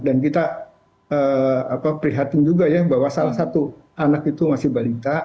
dan kita perhatikan juga ya bahwa salah satu anak itu masih balita